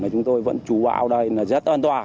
mà chúng tôi vẫn chủ bão đây là rất an toàn